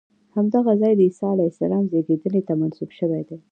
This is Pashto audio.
همدغه ځای د عیسی علیه السلام زېږېدنې ته منسوب شوی دی.